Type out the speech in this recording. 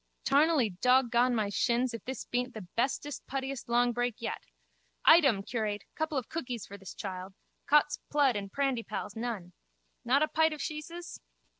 Tarnally dog gone my shins if this beent the bestest puttiest longbreak yet. Item, curate, couple of cookies for this child. Cot's plood and prandypalls, none! Not a pite of sheeses?